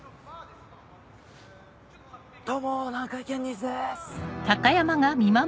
どうも南海キャンディーズです。